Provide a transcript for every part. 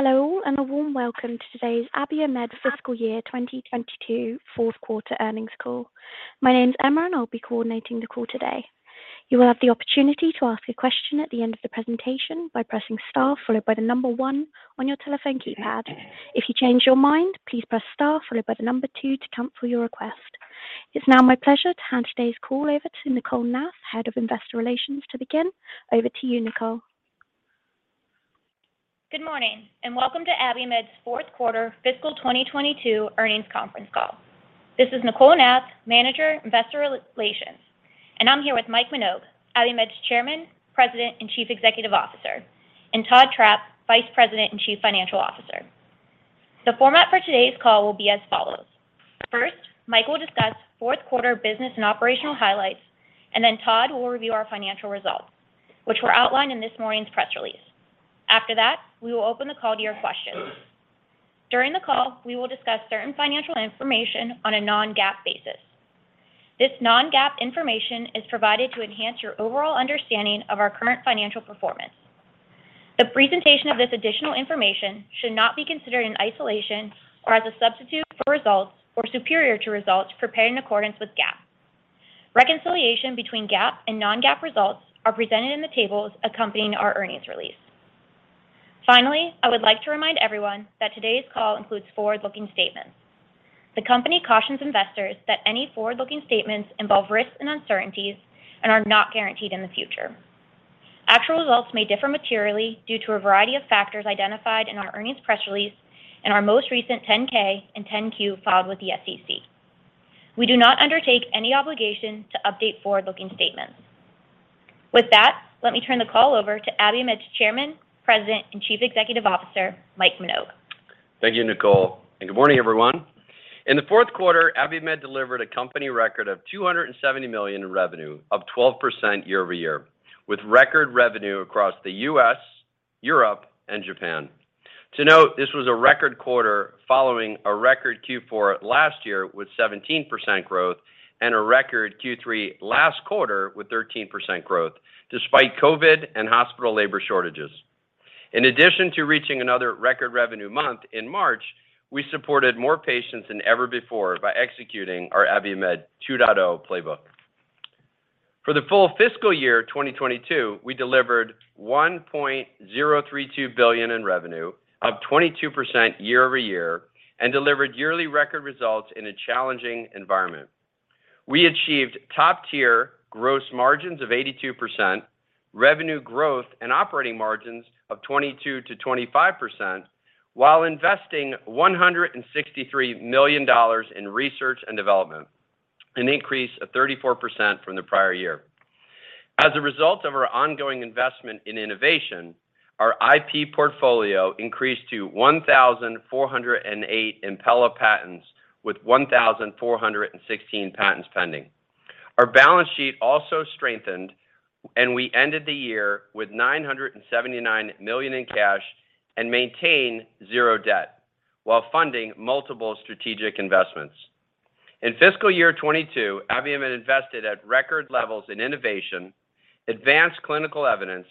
Hello all, and a warm welcome to today's Abiomed fiscal year 2022 fourth quarter earnings call. My name's Emma, and I'll be coordinating the call today. You will have the opportunity to ask a question at the end of the presentation by pressing star followed by one on your telephone keypad. If you change your mind, please press star followed by two to cancel your request. It's now my pleasure to hand today's call over to Nicole Nath, Head of Investor Relations, to begin. Over to you, Nicole. Good morning, and welcome to Abiomed's fourth quarter fiscal 2022 earnings conference call. This is Nicole Nath, Manager, Investor Relations, and I'm here with Mike Minogue, Abiomed's Chairman, President, and Chief Executive Officer, and Todd Trapp, Vice President and Chief Financial Officer. The format for today's call will be as follows. First, Mike will discuss fourth quarter business and operational highlights, and then Todd will review our financial results, which were outlined in this morning's press release. After that, we will open the call to your questions. During the call, we will discuss certain financial information on a non-GAAP basis. This non-GAAP information is provided to enhance your overall understanding of our current financial performance. The presentation of this additional information should not be considered in isolation or as a substitute for results or superior to results prepared in accordance with GAAP. Reconciliation between GAAP and non-GAAP results are presented in the tables accompanying our earnings release. Finally, I would like to remind everyone that today's call includes forward-looking statements. The company cautions investors that any forward-looking statements involve risks and uncertainties and are not guaranteed in the future. Actual results may differ materially due to a variety of factors identified in our earnings press release and our most recent 10-K and 10-Q filed with the SEC. We do not undertake any obligation to update forward-looking statements. With that, let me turn the call over to Abiomed's Chairman, President, and Chief Executive Officer, Mike Minogue. Thank you, Nicole, and good morning, everyone. In the fourth quarter, Abiomed delivered a company record of $270 million in revenue, up 12% year-over-year, with record revenue across the U.S., Europe, and Japan. To note, this was a record quarter following a record Q4 last year with 17% growth and a record Q3 last quarter with 13% growth despite COVID and hospital labor shortages. In addition to reaching another record revenue month in March, we supported more patients than ever before by executing our Abiomed 2.0 playbook. For the full fiscal year 2022, we delivered $1.032 billion in revenue, up 22% year-over-year, and delivered yearly record results in a challenging environment. We achieved top-tier gross margins of 82%, revenue growth and operating margins of 22%-25% while investing $163 million in research and development, an increase of 34% from the prior year. As a result of our ongoing investment in innovation, our IP portfolio increased to 1,408 Impella patents with 1,416 patents pending. Our balance sheet also strengthened, and we ended the year with $979 million in cash and maintain zero debt while funding multiple strategic investments. In fiscal year 2022, Abiomed invested at record levels in innovation, advanced clinical evidence,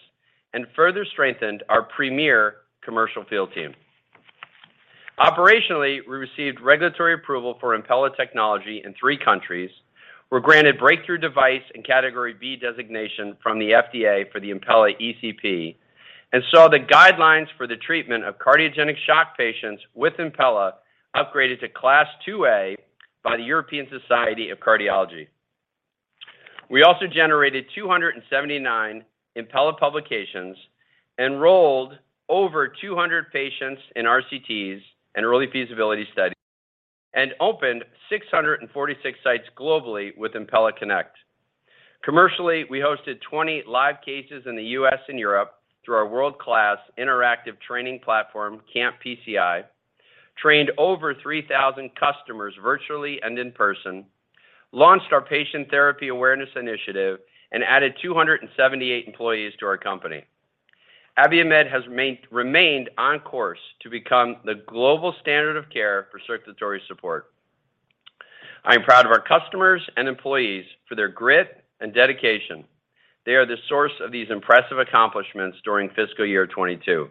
and further strengthened our premier commercial field team. Operationally, we received regulatory approval for Impella technology in three countries, were granted breakthrough device and Category B designation from the FDA for the Impella ECP, and saw the guidelines for the treatment of cardiogenic shock patients with Impella upgraded to class IIa by the European Society of Cardiology. We also generated 279 Impella publications, enrolled over 200 patients in RCTs and early feasibility studies, and opened 646 sites globally with Impella Connect. Commercially, we hosted 20 live cases in the U.S. and Europe through our world-class interactive training platform, CAMP PCI, trained over 3,000 customers virtually and in person, launched our patient therapy awareness initiative and added 278 employees to our company. Abiomed remained on course to become the global standard of care for circulatory support. I am proud of our customers and employees for their grit and dedication. They are the source of these impressive accomplishments during fiscal year 2022.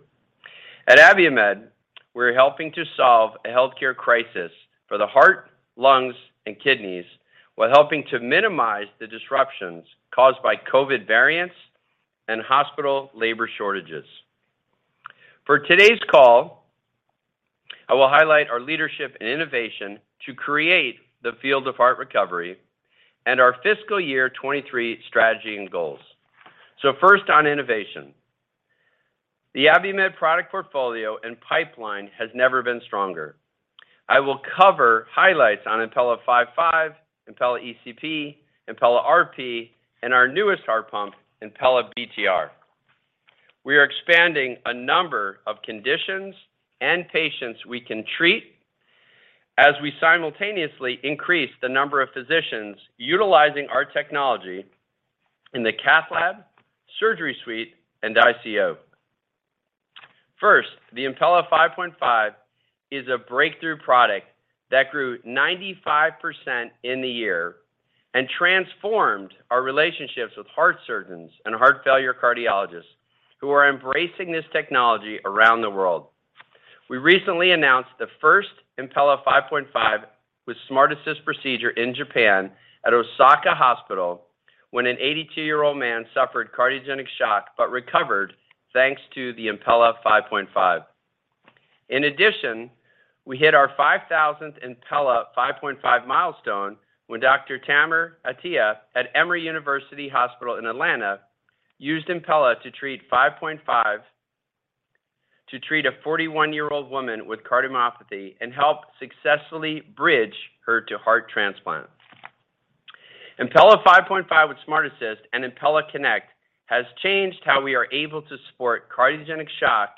At Abiomed, we're helping to solve a healthcare crisis for the heart, lungs, and kidneys while helping to minimize the disruptions caused by COVID variants and hospital labor shortages. For today's call, I will highlight our leadership and innovation to create the field of heart recovery and our fiscal year 2023 strategy and goals. First on innovation. The Abiomed product portfolio and pipeline has never been stronger. I will cover highlights on Impella 5.5, Impella ECP, Impella RP, and our newest heart pump, Impella BTR. We are expanding a number of conditions and patients we can treat as we simultaneously increase the number of physicians utilizing our technology in the Cath lab, surgery suite, and the ICU. First, the Impella 5.5 is a breakthrough product that grew 95% in the year and transformed our relationships with heart surgeons and heart failure cardiologists who are embracing this technology around the world. We recently announced the first Impella 5.5 with SmartAssist procedure in Japan at Osaka Police Hospital when an 82-year-old man suffered cardiogenic shock but recovered thanks to the Impella 5.5. In addition, we hit our 5,000th Impella 5.5 milestone when Dr. Tamer Attia at Emory University Hospital in Atlanta used Impella 5.5 to treat a 41-year-old woman with cardiomyopathy and helped successfully bridge her to heart transplant. Impella 5.5 with SmartAssist and Impella Connect has changed how we are able to support cardiogenic shock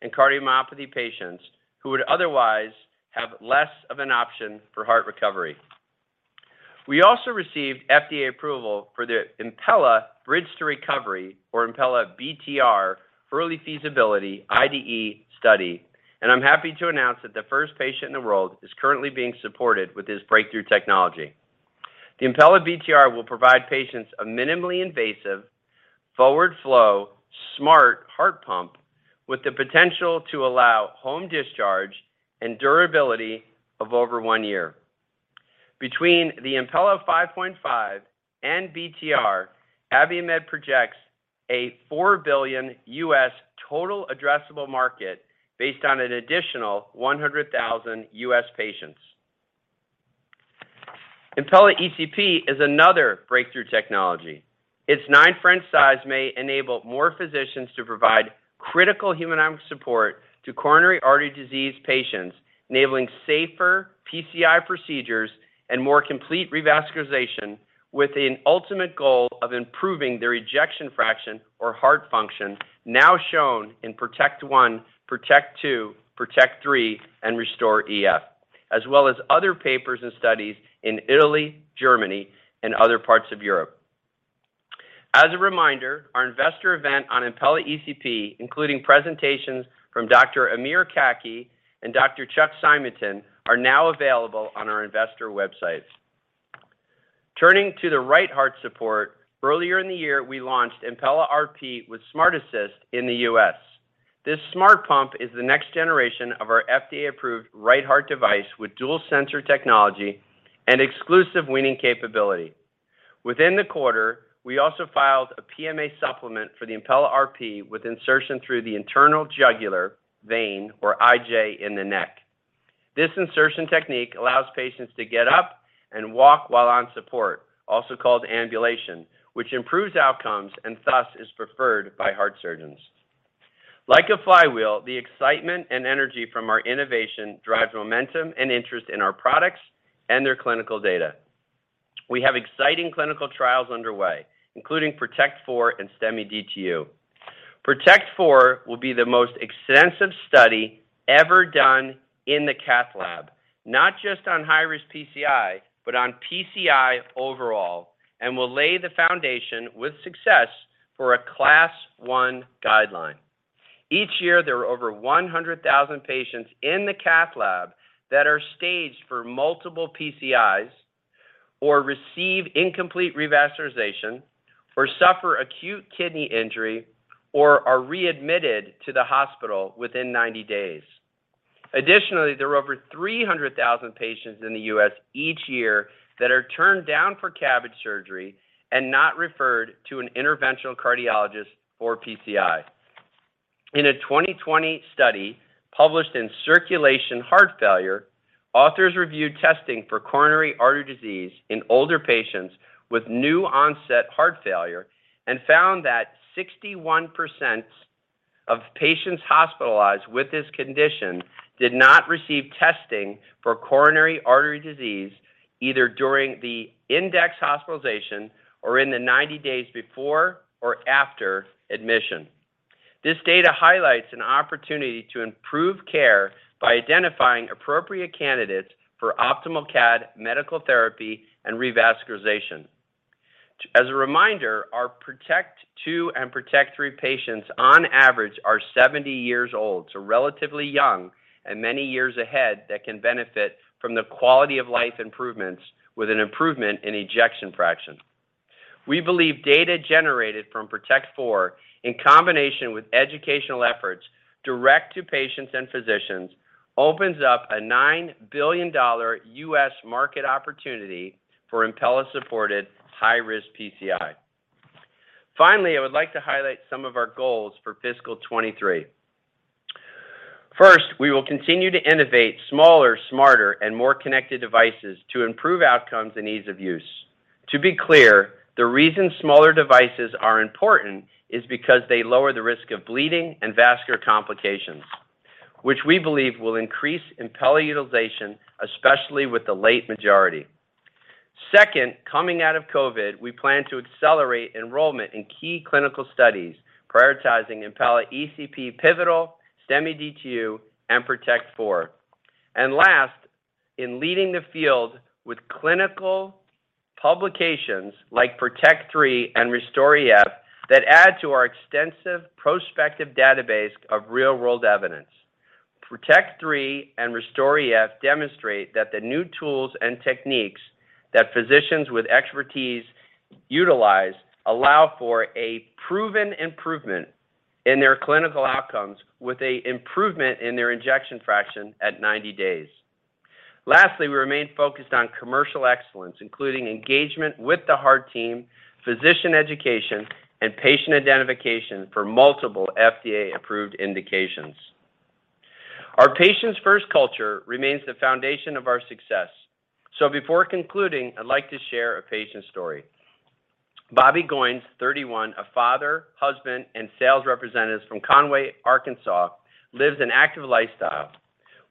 and cardiomyopathy patients who would otherwise have less of an option for heart recovery. We also received FDA approval for the Impella Bridge to Recovery or Impella BTR early feasibility IDE study, and I'm happy to announce that the first patient in the world is currently being supported with this breakthrough technology. The Impella BTR will provide patients a minimally invasive forward flow smart heart pump with the potential to allow home discharge and durability of over one year. Between the Impella 5.5 and BTR, Abiomed projects a $4 billion U.S. total addressable market based on an additional 100,000 U.S. patients. Impella ECP is another breakthrough technology. Its nine French size may enable more physicians to provide critical hemodynamic support to coronary artery disease patients, enabling safer PCI procedures and more complete revascularization with an ultimate goal of improving their ejection fraction or heart function now shown in PROTECT I, PROTECT II, PROTECT III, and Restore EF, as well as other papers and studies in Italy, Germany, and other parts of Europe. As a reminder, our investor event on Impella ECP, including presentations from Dr. Amir Kaki and Dr. Chuck Simonton, are now available on our investor websites. Turning to the right heart support, earlier in the year we launched Impella RP with SmartAssist in the U.S. This smart pump is the next generation of our FDA-approved right heart device with dual sensor technology and exclusive weaning capability. Within the quarter, we also filed a PMA supplement for the Impella RP with insertion through the internal jugular vein or IJ in the neck. This insertion technique allows patients to get up and walk while on support, also called ambulation, which improves outcomes and thus is preferred by heart surgeons. Like a flywheel, the excitement and energy from our innovation drives momentum and interest in our products and their clinical data. We have exciting clinical trials underway, including PROTECT IV and STEMI DTU. PROTECT IV will be the most extensive study ever done in the cath lab, not just on high-risk PCI, but on PCI overall, and will lay the foundation with success for a class I guideline. Each year, there are over 100,000 patients in the cath lab that are staged for multiple PCIs or receive incomplete revascularization or suffer acute kidney injury or are readmitted to the hospital within 90 days. Additionally, there are over 300,000 patients in the U.S. each year that are turned down for CABG surgery and not referred to an interventional cardiologist for PCI. In a 2020 study published in Circulation: Heart Failure, authors reviewed testing for coronary artery disease in older patients with new-onset heart failure and found that 61% of patients hospitalized with this condition did not receive testing for coronary artery disease either during the index hospitalization or in the 90 days before or after admission. This data highlights an opportunity to improve care by identifying appropriate candidates for optimal CAD medical therapy and revascularization. As a reminder, our PROTECT II and PROTECT III patients on average are 70 years old, so relatively young and many years ahead that can benefit from the quality of life improvements with an improvement in ejection fraction. We believe data generated from PROTECT IV in combination with educational efforts direct to patients and physicians opens up a $9 billion U.S. market opportunity for Impella-supported high-risk PCI. Finally, I would like to highlight some of our goals for fiscal 2023. First, we will continue to innovate smaller, smarter, and more connected devices to improve outcomes and ease of use. To be clear, the reason smaller devices are important is because they lower the risk of bleeding and vascular complications, which we believe will increase Impella utilization, especially with the late majority. Second, coming out of COVID, we plan to accelerate enrollment in key clinical studies, prioritizing Impella ECP pivotal, STEMI DTU, and PROTECT IV. Last, in leading the field with clinical publications like PROTECT III and RESTORE EF that add to our extensive prospective database of real-world evidence. PROTECT III and RESTORE EF demonstrate that the new tools and techniques that physicians with expertise utilize allow for a proven improvement in their clinical outcomes with a improvement in their ejection fraction at 90 days. Lastly, we remain focused on commercial excellence, including engagement with the heart team, physician education, and patient identification for multiple FDA-approved indications. Our patients first culture remains the foundation of our success. Before concluding, I'd like to share a patient story. Bobby Goines, 31, a father, husband, and sales representative from Conway, Arkansas, lives an active lifestyle.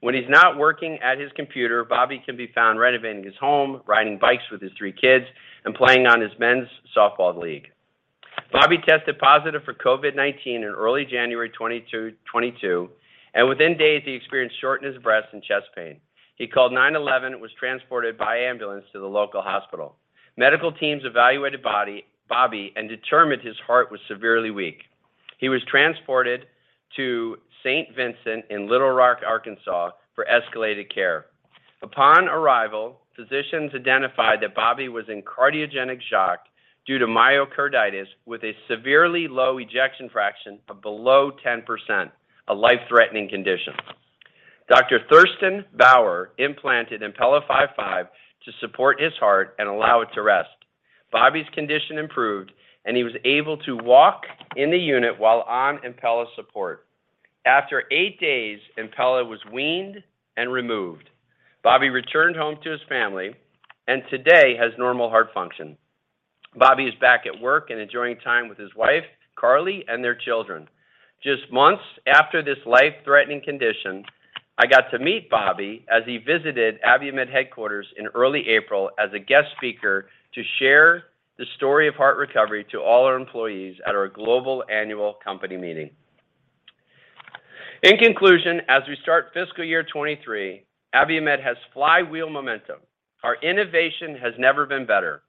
When he's not working at his computer, Bobby can be found renovating his home, riding bikes with his three kids, and playing on his men's softball league. Bobby tested positive for COVID-19 in early January 2022, and within days he experienced shortness of breath and chest pain. He called 911 and was transported by ambulance to the local hospital. Medical teams evaluated Bobby and determined his heart was severely weak. He was transported to St. Vincent in Little Rock, Arkansas, for escalated care. Upon arrival, physicians identified that Bobby was in cardiogenic shock due to myocarditis with a severely low ejection fraction of below 10%, a life-threatening condition. Dr. Thurston Bauer implanted Impella 5.5 to support his heart and allow it to rest. Bobby's condition improved, and he was able to walk in the unit while on Impella support. After eight days, Impella was weaned and removed. Bobby returned home to his family and today has normal heart function. Bobby is back at work and enjoying time with his wife, Carly, and their children. Just months after this life-threatening condition, I got to meet Bobby as he visited Abiomed headquarters in early April as a guest speaker to share the story of heart recovery to all our employees at our global annual company meeting. In conclusion, as we start fiscal year 2023, Abiomed has flywheel momentum. Our innovation has never been better.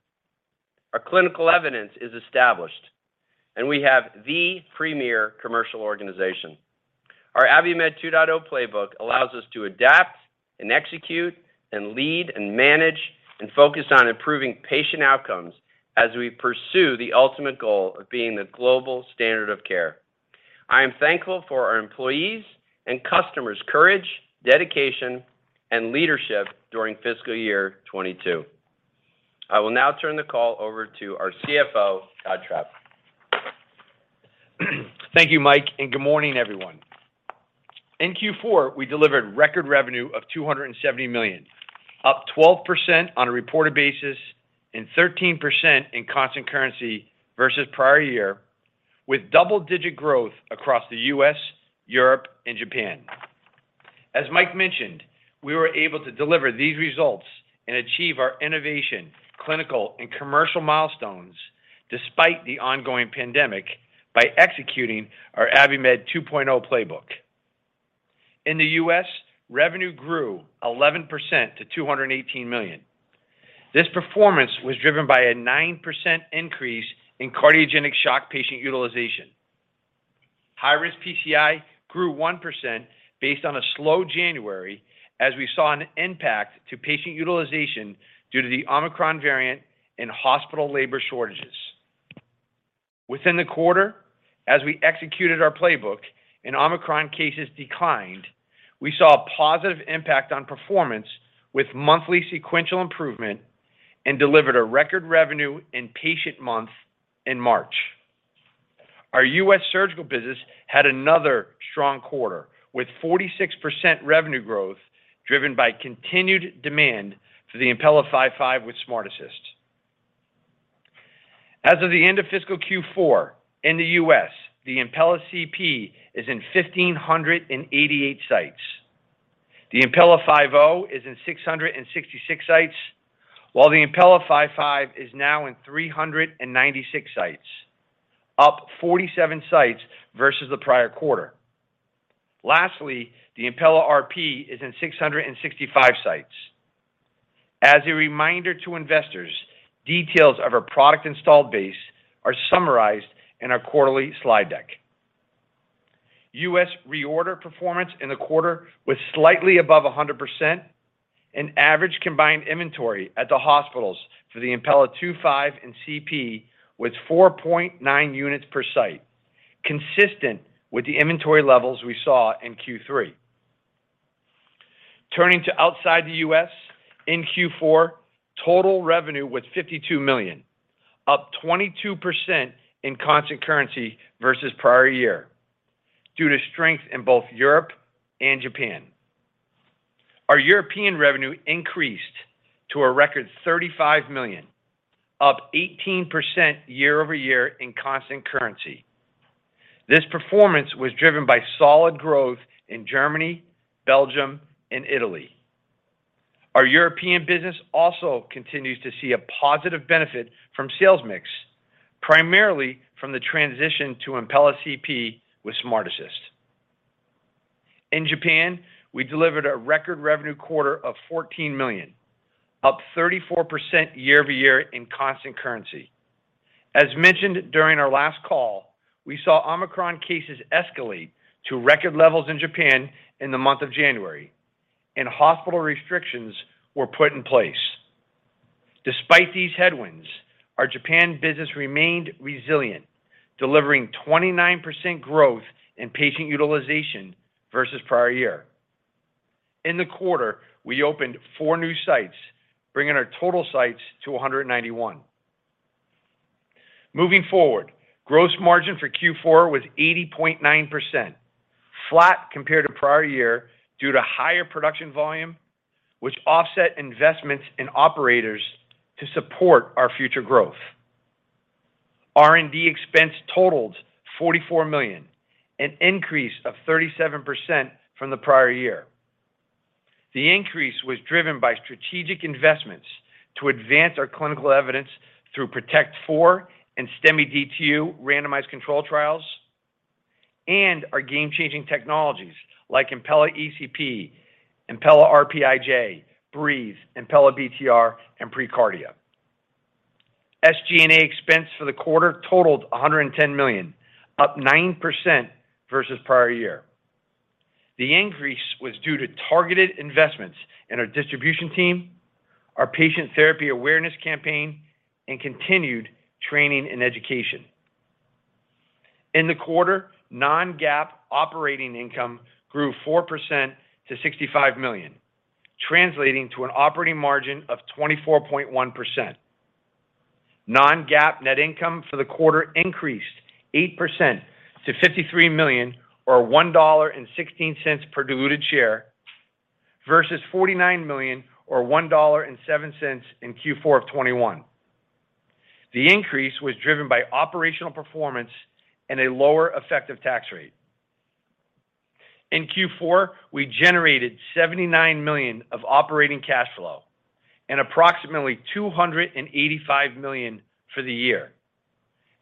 Our clinical evidence is established, and we have the premier commercial organization. Our Abiomed 2.0 playbook allows us to adapt and execute and lead and manage and focus on improving patient outcomes as we pursue the ultimate goal of being the global standard of care. I am thankful for our employees' and customers' courage, dedication, and leadership during fiscal year 2022. I will now turn the call over to our CFO, Todd Trapp. Thank you, Mike, and good morning, everyone. In Q4, we delivered record revenue of $270 million, up 12% on a reported basis and 13% in constant currency versus prior year, with double-digit growth across the U.S., Europe, and Japan. As Mike mentioned, we were able to deliver these results and achieve our innovation, clinical, and commercial milestones despite the ongoing pandemic by executing our Abiomed 2.0 playbook. In the U.S., revenue grew 11% to $218 million. This performance was driven by a 9% increase in cardiogenic shock patient utilization. High-risk PCI grew 1% based on a slow January as we saw an impact to patient utilization due to the Omicron variant and hospital labor shortages. Within the quarter, as we executed our playbook and Omicron cases declined, we saw a positive impact on performance with monthly sequential improvement and delivered a record revenue in patient month in March. Our U.S. surgical business had another strong quarter, with 46% revenue growth driven by continued demand for the Impella 5.5 with SmartAssist. As of the end of fiscal Q4 in the U.S., the Impella CP is in 1,588 sites. The Impella 5.0 is in 666 sites, while the Impella 5.5 is now in 396 sites, up 47 sites versus the prior quarter. Lastly, the Impella RP is in 665 sites. As a reminder to investors, details of our product installed base are summarized in our quarterly slide deck. U.S. reorder performance in the quarter was slightly above 100%, and average combined inventory at the hospitals for the Impella 2.5 and CP was 4.9 units per site, consistent with the inventory levels we saw in Q3. Turning to outside the U.S., in Q4, total revenue was $52 million, up 22% in constant currency versus prior year due to strength in both Europe and Japan. Our European revenue increased to a record $35 million, up 18% year-over-year in constant currency. This performance was driven by solid growth in Germany, Belgium, and Italy. Our European business also continues to see a positive benefit from sales mix, primarily from the transition to Impella CP with SmartAssist. In Japan, we delivered a record revenue quarter of $14 million, up 34% year-over-year in constant currency. As mentioned during our last call, we saw Omicron cases escalate to record levels in Japan in the month of January, and hospital restrictions were put in place. Despite these headwinds, our Japan business remained resilient, delivering 29% growth in patient utilization versus prior year. In the quarter, we opened four new sites, bringing our total sites to 191. Moving forward, gross margin for Q4 was 80.9%, flat compared to prior year due to higher production volume, which offset investments in operators to support our future growth. R&D expense totaled $44 million, an increase of 37% from the prior year. The increase was driven by strategic investments to advance our clinical evidence through PROTECT IV and STEMI DTU randomized controlled trials and our game-changing technologies like Impella ECP, Impella RP IJ, Breethe, Impella BTR, and preCARDIA. SG&A expense for the quarter totaled $110 million, up 9% versus prior year. The increase was due to targeted investments in our distribution team, our patient therapy awareness campaign, and continued training and education. In the quarter, non-GAAP operating income grew 4% to $65 million, translating to an operating margin of 24.1%. Non-GAAP net income for the quarter increased 8% to $53 million or $1.16 per diluted share versus $49 million or $1.07 in Q4 of 2021. The increase was driven by operational performance and a lower effective tax rate. In Q4, we generated $79 million of operating cash flow and approximately $285 million for the year.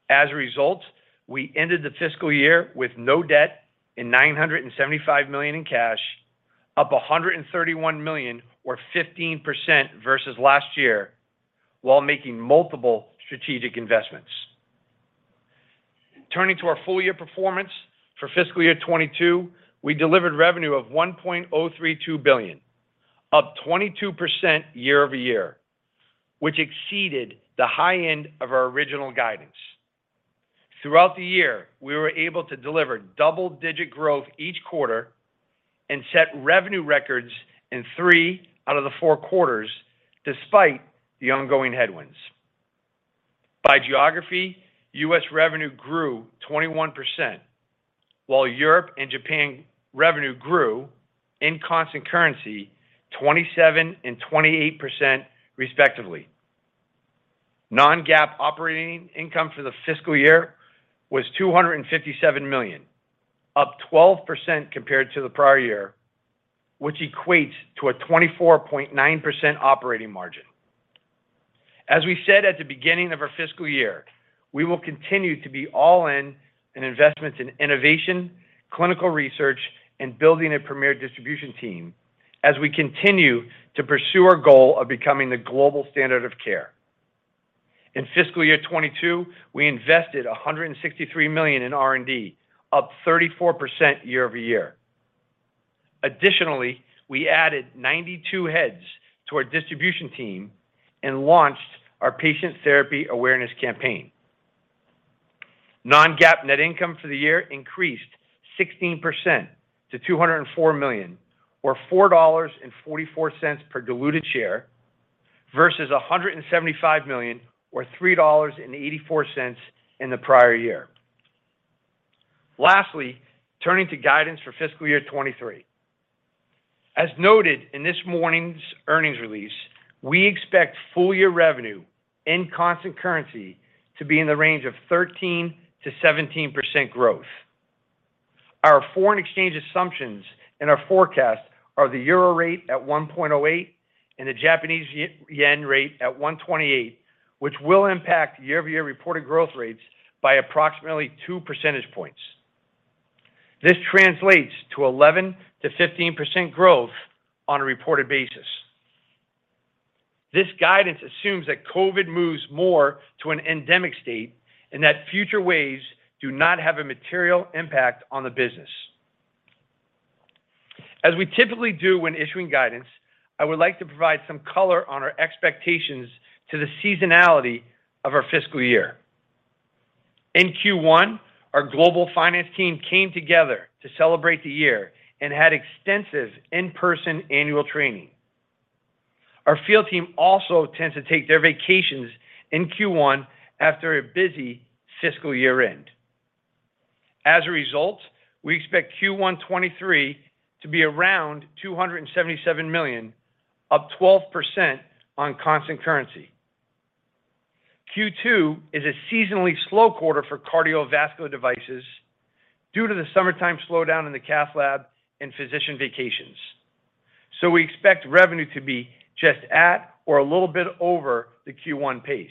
As a result, we ended the fiscal year with no debt and $975 million in cash, up $131 million or 15% versus last year, while making multiple strategic investments. Turning to our full year performance, for fiscal year 2022 we delivered revenue of $1.032 billion, up 22% year-over-year, which exceeded the high end of our original guidance. Throughout the year, we were able to deliver double-digit growth each quarter and set revenue records in three out of the four quarters despite the ongoing headwinds. By geography, U.S. revenue grew 21%, while Europe and Japan revenue grew in constant currency 27% and 28% respectively. Non-GAAP operating income for the fiscal year was $257 million, up 12% compared to the prior year, which equates to a 24.9% operating margin. As we said at the beginning of our fiscal year, we will continue to be all in in investments in innovation, clinical research, and building a premier distribution team as we continue to pursue our goal of becoming the global standard of care. In fiscal year 2022, we invested $163 million in R&D, up 34% year-over-year. Additionally, we added 92 heads to our distribution team and launched our patient therapy awareness campaign. Non-GAAP net income for the year increased 16% to $204 million or $4.44 per diluted share versus $175 million or $3.84 in the prior year. Lastly, turning to guidance for fiscal year 2023. As noted in this morning's earnings release, we expect full year revenue in constant currency to be in the range of 13%-17% growth. Our foreign exchange assumptions in our forecast are the euro rate at 1.08 and the Japanese yen rate at 128, which will impact year-over-year reported growth rates by approximately two percentage points. This translates to 11%-15% growth on a reported basis. This guidance assumes that COVID moves more to an endemic state and that future waves do not have a material impact on the business. As we typically do when issuing guidance, I would like to provide some color on our expectations to the seasonality of our fiscal year. In Q1, our global finance team came together to celebrate the year and had extensive in-person annual training. Our field team also tends to take their vacations in Q1 after a busy fiscal year-end. As a result, we expect Q1 2023 to be around $277 million, up 12% on constant currency. Q2 is a seasonally slow quarter for cardiovascular devices due to the summertime slowdown in the cath lab and physician vacations. We expect revenue to be just at or a little bit over the Q1 pace.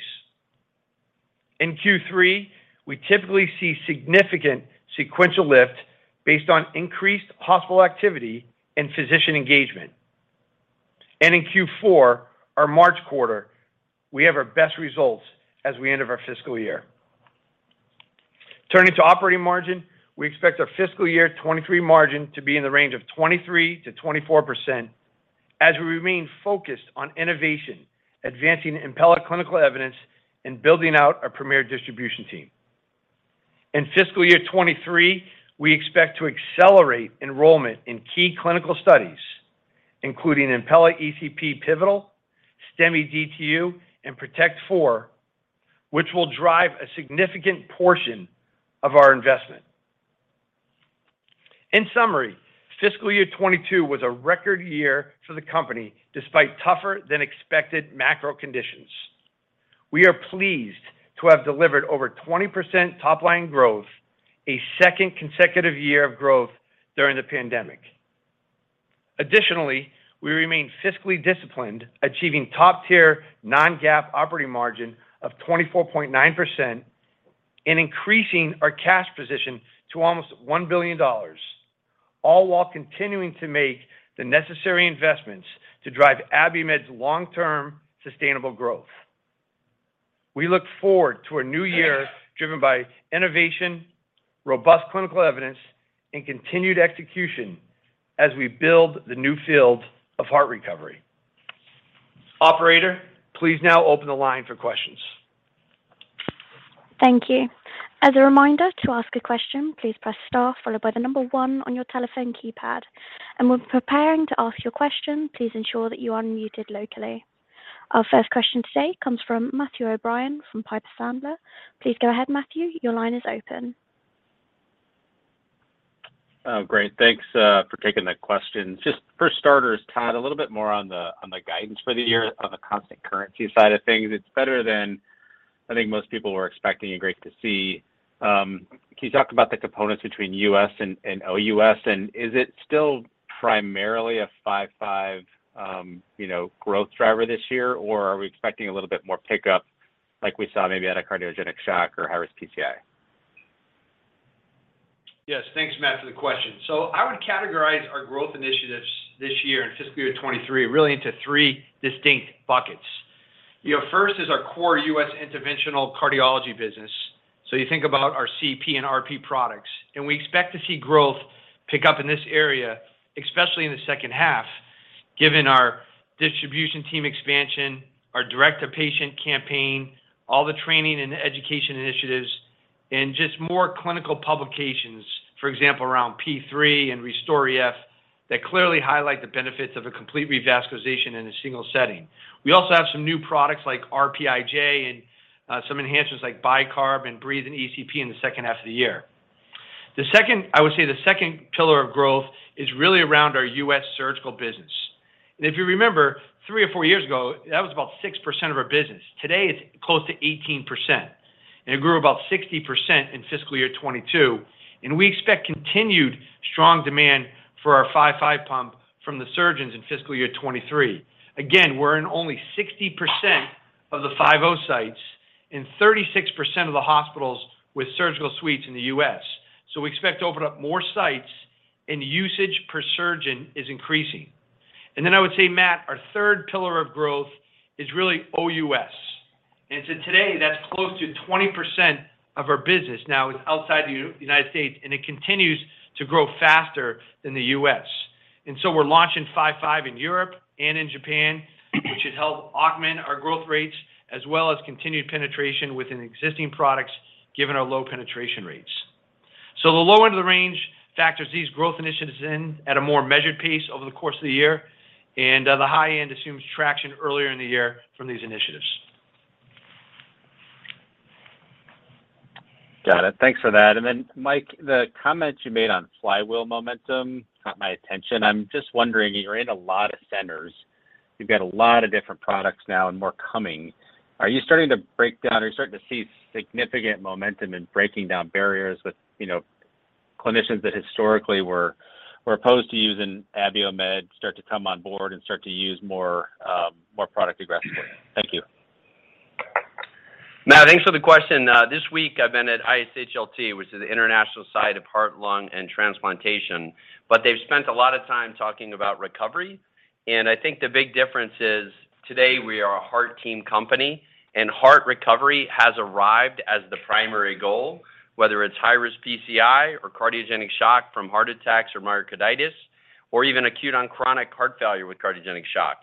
In Q3, we typically see significant sequential lift based on increased hospital activity and physician engagement. In Q4, our March quarter, we have our best results as we end of our fiscal year. Turning to operating margin, we expect our fiscal year 2023 margin to be in the range of 23%-24% as we remain focused on innovation, advancing Impella clinical evidence, and building out our premier distribution team. In fiscal year 2023, we expect to accelerate enrollment in key clinical studies, including Impella ECP Pivotal, STEMI DTU, and PROTECT IV, which will drive a significant portion of our investment. In summary, fiscal year 2022 was a record year for the company despite tougher than expected macro conditions. We are pleased to have delivered over 20% top line growth, a second consecutive year of growth during the pandemic. Additionally, we remain fiscally disciplined, achieving top-tier non-GAAP operating margin of 24.9% and increasing our cash position to almost $1 billion, all while continuing to make the necessary investments to drive Abiomed's long-term sustainable growth. We look forward to a new year driven by innovation, robust clinical evidence, and continued execution as we build the new field of heart recovery. Operator, please now open the line for questions. Thank you. As a reminder to ask a question, please press star followed by the number one on your telephone keypad. When preparing to ask your question, please ensure that you are unmuted locally. Our first question today comes from Matthew O'Brien from Piper Sandler. Please go ahead, Matthew. Your line is open. Oh, great. Thanks for taking the questions. Just for starters, Todd, a little bit more on the guidance for the year on the constant currency side of things. It's better than I think most people were expecting and great to see. Can you talk about the components between U.S. and OUS? Is it still primarily a five-five growth driver this year? Or are we expecting a little bit more pickup like we saw maybe at a cardiogenic shock or high-risk PCI? Yes. Thanks, Matt, for the question. I would categorize our growth initiatives this year in fiscal year 2023 really into three distinct buckets. You know, first is our core U.S. interventional cardiology business. You think about our CP and RP products. We expect to see growth pick up in this area, especially in the second half, given our distribution team expansion, our direct-to-patient campaign, all the training and education initiatives, and just more clinical publications, for example, around P3 and RESTORE EF that clearly highlight the benefits of a complete revascularization in a single setting. We also have some new products like RPIJ and some enhancers like Bicarb and Breethe and ECP in the second half of the year. The second pillar of growth is really around our U.S. surgical business. If you remember three or four years ago, that was about 6% of our business. Today, it's close to 18%, and it grew about 60% in fiscal year 2022. We expect continued strong demand for our 5.5 pump from the surgeons in fiscal year 2023. Again, we're in only 60% of the 5.0 sites and 36% of the hospitals with surgical suites in the U.S. We expect to open up more sites, and usage per surgeon is increasing. Then I would say, Matt, our third pillar of growth is really OUS. Today, that's close to 20% of our business now is outside the United States, and it continues to grow faster than the U.S. We're launching 5.5 in Europe and in Japan, which should help augment our growth rates as well as continued penetration within existing products given our low penetration rates. The low end of the range factors these growth initiatives in at a more measured pace over the course of the year, and the high end assumes traction earlier in the year from these initiatives. Got it. Thanks for that. Mike, the comment you made on flywheel momentum caught my attention. I'm just wondering, you're in a lot of centers. You've got a lot of different products now and more coming. Are you starting to break down? Are you starting to see significant momentum in breaking down barriers with, you know, clinicians that historically were opposed to using Abiomed start to come on board and start to use more product aggressively? Thank you. Matt, thanks for the question. This week I've been at ISHLT, which is the International Society for Heart and Lung Transplantation. They've spent a lot of time talking about recovery. I think the big difference is today we are a heart team company, and heart recovery has arrived as the primary goal, whether it's high-risk PCI or cardiogenic shock from heart attacks or myocarditis, or even acute on chronic heart failure with cardiogenic shock.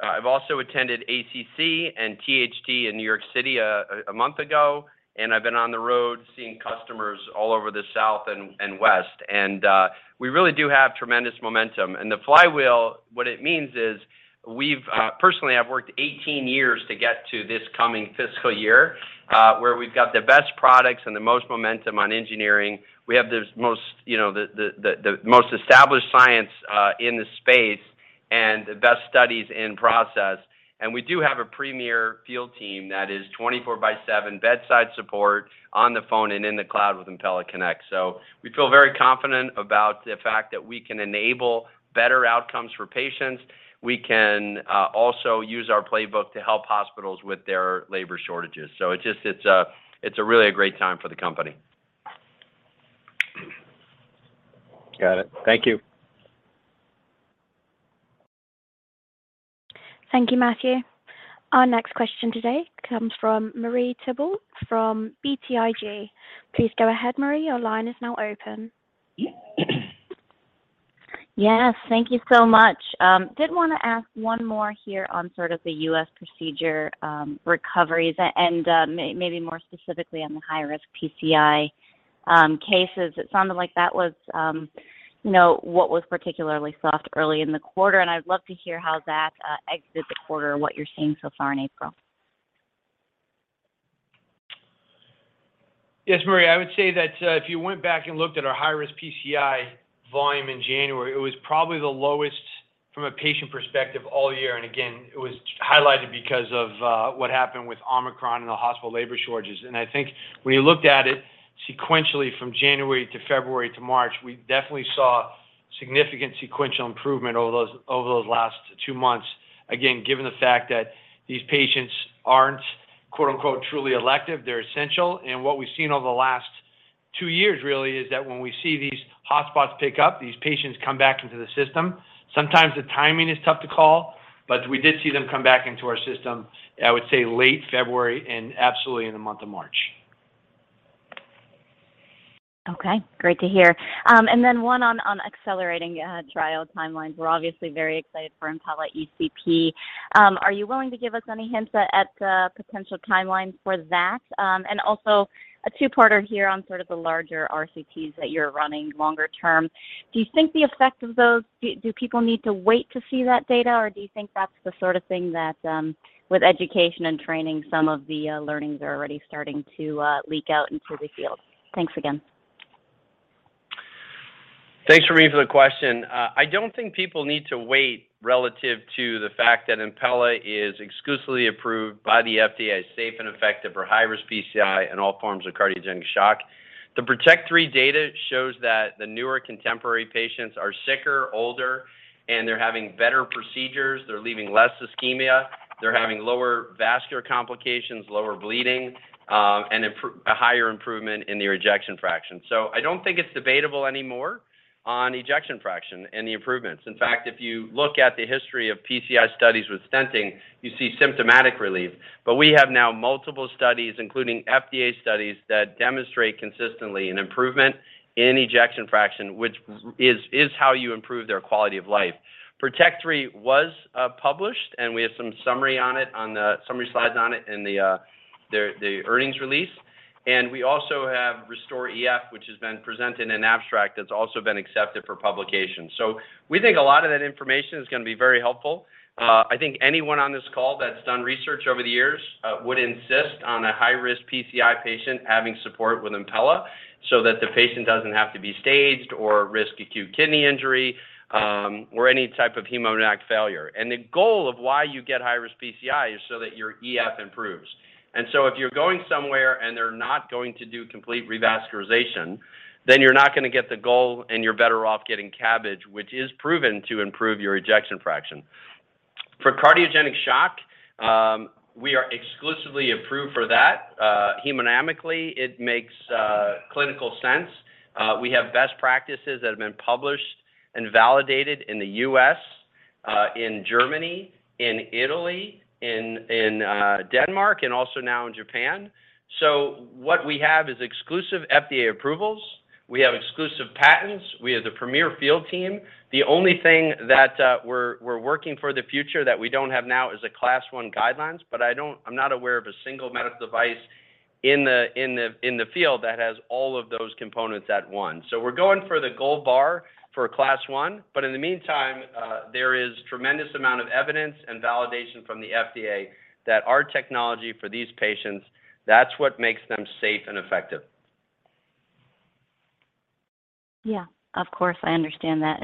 I've also attended ACC and THT in New York City a month ago, and I've been on the road seeing customers all over the South and West. We really do have tremendous momentum. The flywheel, what it means is we've personally, I've worked 18 years to get to this coming fiscal year, where we've got the best products and the most momentum on engineering. We have the most established science in the space and the best studies in process. We do have a premier field team that is 24/7 bedside support on the phone and in the cloud with Impella Connect. We feel very confident about the fact that we can enable better outcomes for patients. We can also use our playbook to help hospitals with their labor shortages. It's just a really great time for the company. Got it. Thank you. Thank you, Matthew. Our next question today comes from Marie Thibault from BTIG. Please go ahead, Marie. Your line is now open. Yes. Thank you so much. Did want to ask one more here on sort of the U.S. procedure recoveries and maybe more specifically on the high-risk PCI cases. It sounded like that was, you know, what was particularly soft early in the quarter, and I'd love to hear how that exited the quarter and what you're seeing so far in April. Yes, Marie. I would say that if you went back and looked at our high-risk PCI volume in January, it was probably the lowest from a patient perspective all year. Again, it was highlighted because of what happened with Omicron and the hospital labor shortages. I think when you looked at it sequentially from January to February to March, we definitely saw significant sequential improvement over those last two months, again, given the fact that these patients aren't, quote-unquote, truly elective. They're essential. What we've seen over the last two years really is that when we see these hotspots pick up, these patients come back into the system. Sometimes the timing is tough to call, but we did see them come back into our system, I would say late February and absolutely in the month of March. Okay. Great to hear. And then one on accelerating trial timelines. We're obviously very excited for Impella ECP. Are you willing to give us any hints at the potential timelines for that? And also a two-parter here on sort of the larger RCTs that you're running longer term. Do you think the effect of those. Do people need to wait to see that data, or do you think that's the sort of thing that, with education and training, some of the learnings are already starting to leak out into the field? Thanks again. Thanks, Marie, for the question. I don't think people need to wait relative to the fact that Impella is exclusively approved by the FDA as safe and effective for high-risk PCI and all forms of cardiogenic shock. The PROTECT III data shows that the newer contemporary patients are sicker, older, and they're having better procedures. They're leaving less ischemia. They're having lower vascular complications, lower bleeding, and a higher improvement in the ejection fraction. I don't think it's debatable anymore on ejection fraction and the improvements. In fact, if you look at the history of PCI studies with stenting, you see symptomatic relief. We have now multiple studies, including FDA studies, that demonstrate consistently an improvement in ejection fraction, which is how you improve their quality of life. PROTECT III was published, and we have some summary on it on the. Summary slides on it in the earnings release. We also have RESTORE EF, which has been presented in abstract, that's also been accepted for publication. We think a lot of that information is gonna be very helpful. I think anyone on this call that's done research over the years would insist on a high-risk PCI patient having support with Impella so that the patient doesn't have to be staged or risk acute kidney injury, or any type of hemodynamic failure. The goal of why you get high-risk PCI is so that your EF improves. If you're going somewhere and they're not going to do complete revascularization, then you're not gonna get the goal, and you're better off getting CABG, which is proven to improve your ejection fraction. For cardiogenic shock, we are exclusively approved for that. Hemodynamically, it makes clinical sense. We have best practices that have been published and validated in the U.S., in Germany, in Italy, in Denmark, and also now in Japan. What we have is exclusive FDA approvals. We have exclusive patents. We have the premier field team. The only thing that we're working for the future that we don't have now is a class I guidelines, but I'm not aware of a single medical device in the field that has all of those components at once. We're going for the gold standard for class I. In the meantime, there is tremendous amount of evidence and validation from the FDA that our technology for these patients, that's what makes them safe and effective. Yeah. Of course, I understand that.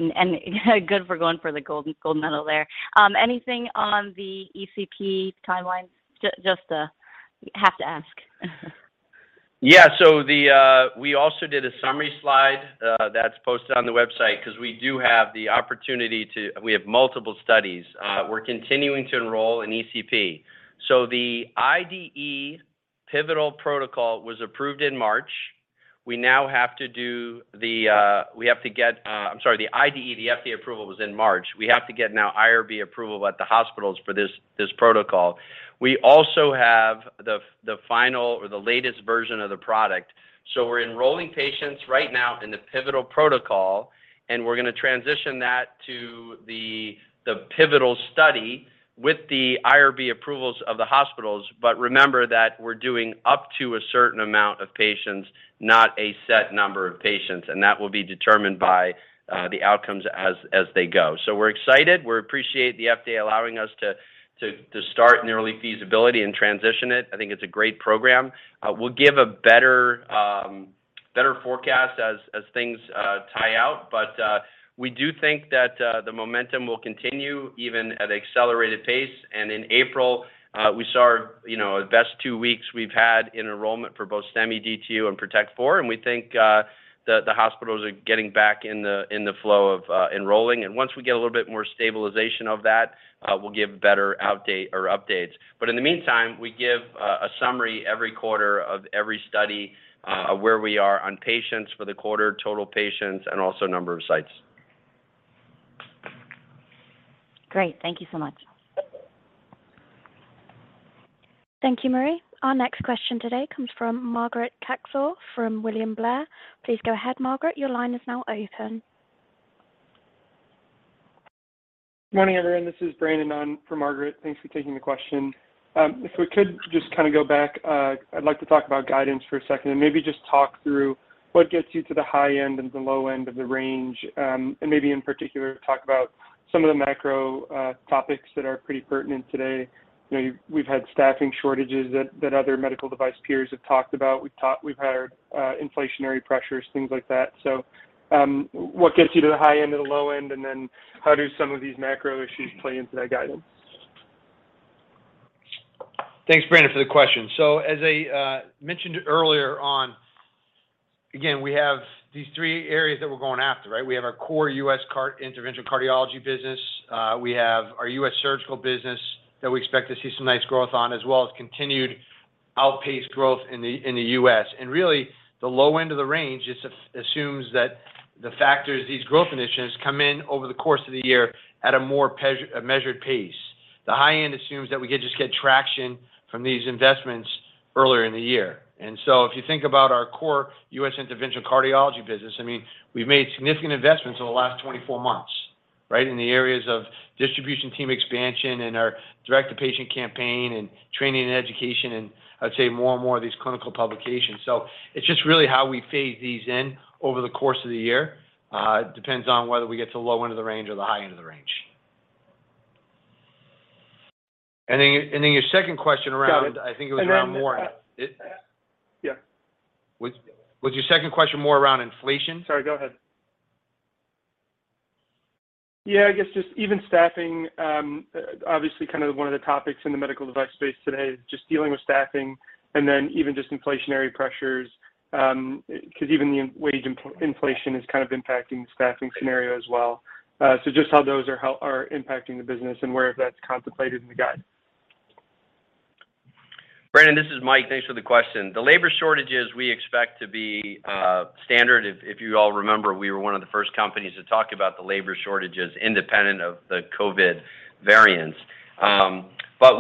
Good for going for the gold medal there. Anything on the ECP timeline? Just have to ask. Yeah. We also did a summary slide that's posted on the website because we have multiple studies. We're continuing to enroll in ECP. The IDE pivotal protocol was approved in March. We now have to get, I'm sorry, the IDE, the FDA approval was in March. We have to get now IRB approval at the hospitals for this protocol. We also have the final or the latest version of the product. We're enrolling patients right now in the pivotal protocol, and we're gonna transition that to the pivotal study with the IRB approvals of the hospitals. Remember that we're doing up to a certain amount of patients, not a set number of patients, and that will be determined by the outcomes as they go. We're excited. We appreciate the FDA allowing us to start an early feasibility and transition it. I think it's a great program. We'll give a better forecast as things tie out. We do think that the momentum will continue even at an accelerated pace. In April, we saw our, you know, best two weeks we've had in enrollment for both STEMI DTU and PROTECT IV. We think the hospitals are getting back in the flow of enrolling. Once we get a little bit more stabilization of that, we'll give better outlook or updates. In the meantime, we give a summary every quarter of every study, where we are on patients for the quarter, total patients, and also number of sites. Great. Thank you so much. Thank you, Marie. Our next question today comes from Margaret Kaczor from William Blair. Please go ahead, Margaret. Your line is now open. Morning, everyone. This is Brandon on for Margaret. Thanks for taking the question. If we could just kind of go back, I'd like to talk about guidance for a second and maybe just talk through what gets you to the high end and the low end of the range, and maybe in particular, talk about some of the macro topics that are pretty pertinent today. You know, we've had staffing shortages that other medical device peers have talked about. We've hired, inflationary pressures, things like that. What gets you to the high end and the low end, and then how do some of these macro issues play into that guidance? Thanks, Brandon, for the question. As I mentioned earlier on, again, we have these three areas that we're going after, right? We have our core U.S. cath interventional cardiology business. We have our U.S. surgical business that we expect to see some nice growth on, as well as continued outpaced growth in the U.S. Really, the low end of the range just assumes that the factors, these growth initiatives come in over the course of the year at a more measured pace. The high end assumes that we could just get traction from these investments earlier in the year. If you think about our core U.S. interventional cardiology business, I mean, we've made significant investments over the last 24 months, right? In the areas of distribution team expansion and our direct-to-patient campaign and training and education, and I'd say more and more of these clinical publications. It's just really how we phase these in over the course of the year, depends on whether we get to the low end of the range or the high end of the range. Your second question around- Got it. I think it was around more. And then- It... Yeah. Was your second question more around inflation? Sorry, go ahead. Yeah, I guess just even staffing, obviously kind of one of the topics in the medical device space today, just dealing with staffing and then even just inflationary pressures, because even the wage inflation is kind of impacting the staffing scenario as well. Just how those are impacting the business and where that's contemplated in the guide. Brandon, this is Mike. Thanks for the question. The labor shortages we expect to be standard. If you all remember, we were one of the first companies to talk about the labor shortages independent of the COVID variants.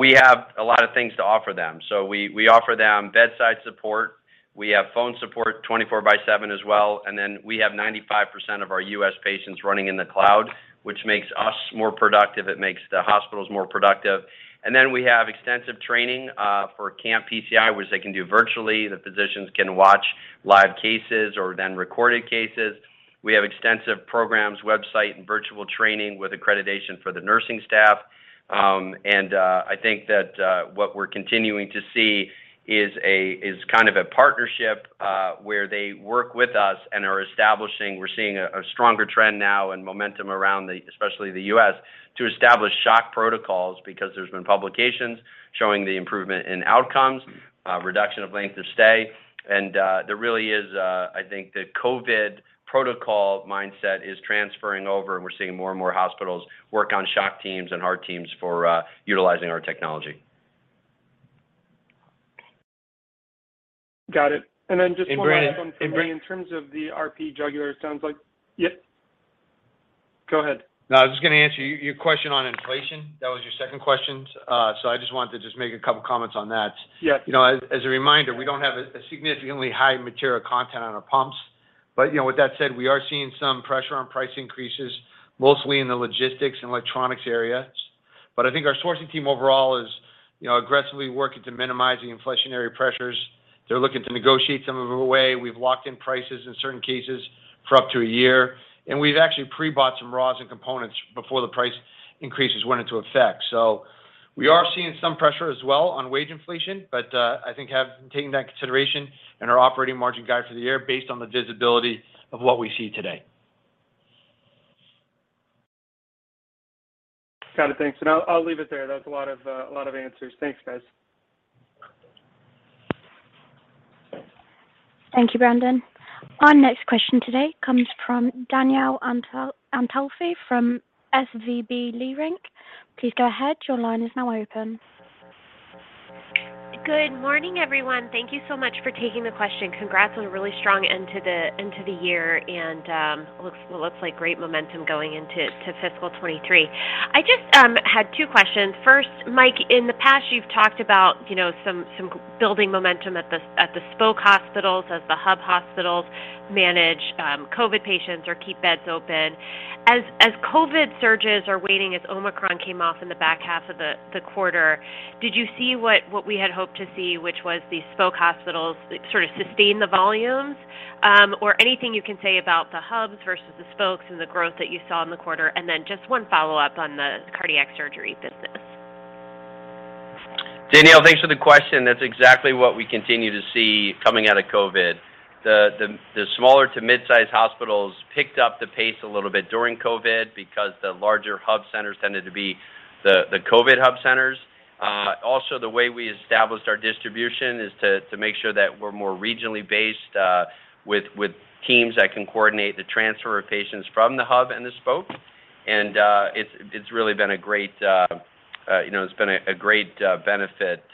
We have a lot of things to offer them. We offer them bedside support. We have phone support 24/7 as well. We have 95% of our U.S. patients running in the cloud, which makes us more productive. It makes the hospitals more productive. We have extensive training for CAMP PCI, which they can do virtually. The physicians can watch live cases or the recorded cases. We have extensive programs, website, and virtual training with accreditation for the nursing staff. I think that what we're continuing to see is kind of a partnership where they work with us and are establishing. We're seeing a stronger trend now and momentum around, especially the U.S., to establish shock protocols because there's been publications showing the improvement in outcomes, reduction of length of stay. There really is, I think the COVID protocol mindset is transferring over, and we're seeing more and more hospitals work on shock teams and heart teams for utilizing our technology. Got it. Just one last one for me. Brandon. In terms of the RP IJ, it sounds like. Yeah. Go ahead. No, I was just gonna answer your question on inflation. That was your second question. I just wanted to just make a couple comments on that. Yeah. You know, as a reminder, we don't have a significantly high material content on our pumps. You know, with that said, we are seeing some pressure on price increases, mostly in the logistics and electronics areas. I think our sourcing team overall is, you know, aggressively working to minimize the inflationary pressures. They're looking to negotiate some of them away. We've locked in prices in certain cases for up to a year, and we've actually pre-bought some raws and components before the price increases went into effect. We are seeing some pressure as well on wage inflation, but I think have taken that into consideration in our operating margin guide for the year based on the visibility of what we see today. Got it. Thanks. I'll leave it there. That was a lot of answers. Thanks, guys. Thank you, Brandon. Our next question today comes from Danielle Antalffy from SVB Leerink. Please go ahead. Your line is now open. Good morning, everyone. Thank you so much for taking the question. Congrats on a really strong end to the year and what looks like great momentum going into fiscal 2023. I just had two questions. First, Mike, in the past, you've talked about, you know, some building momentum at the spoke hospitals as the hub hospitals manage COVID patients or keep beds open. As COVID surges are waning, as Omicron came off in the back half of the quarter, did you see what we had hoped to see, which was these spoke hospitals sort of sustain the volumes? Or anything you can say about the hubs versus the spokes and the growth that you saw in the quarter? Then just one follow-up on the cardiac surgery business. Danielle, thanks for the question. That's exactly what we continue to see coming out of COVID. The smaller to mid-size hospitals picked up the pace a little bit during COVID because the larger hub centers tended to be the COVID hub centers. Also, the way we established our distribution is to make sure that we're more regionally based, with teams that can coordinate the transfer of patients from the hub and the spoke. It's really been a great You know, it's been a great benefit